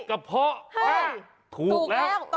กะเพาะปลาถูกแล้วเฮ้ยถูกแล้ว